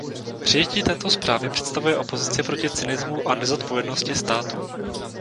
Přijetí této zprávy představuje opozici proti cynismu a nezodpovědnosti států.